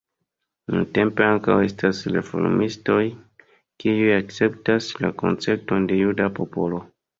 Nuntempe ankaŭ estas reformistoj kiuj akceptas la koncepton de "juda popolo".